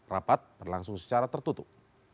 rapat berlangsung secara tertutup